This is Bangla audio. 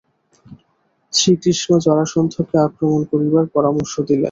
শ্রীকৃষ্ণ জরাসন্ধকে আক্রমণ করিবার পরামর্শ দিলেন।